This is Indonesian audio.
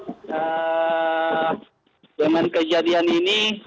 beberapa shock dengan kejadian ini